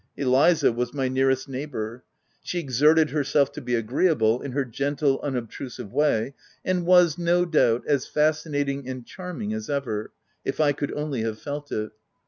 Eliza was my nearest neighbour. She exerted herself to be agreeable, in her gentle, unobtrusive way, and was, no doubt, as fascinating and charming as ever, if I could only have felt it.